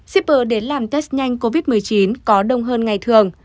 shipper đến làm test nhanh covid một mươi chín có đông hơn ngày thường